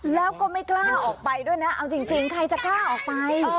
แล้วก็ไม่กล้าออกไปด้วยนะเอาจริงใครจะกล้าออกไป